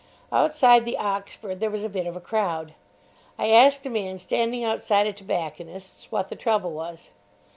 Outside the Oxford there was a bit of a crowd. I asked a man standing outside a tobacconist's what the trouble was.